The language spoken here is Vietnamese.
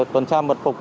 tuần tra mật phục